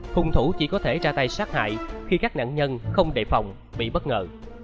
hùng thủ chỉ có thể ra tay sát hại khi các nạn nhân không đề phòng bị bất ngờ